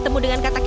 itulah lagi apa tadi